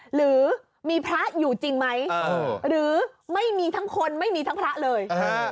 หรือมีพระอยู่จริงไหมหรือไม่มีทั้งคนไม่มีทั้งพระเลย